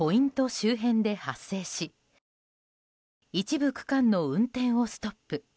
周辺で発生し一部区間の運転をストップ。